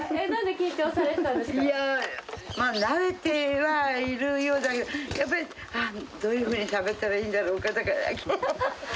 いやー、慣れてはいるようだけど、やっぱりどういうふうにしゃべったらいいんだろうかとか。